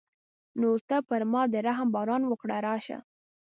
نو ته پر ما د رحم باران وکړه راشه.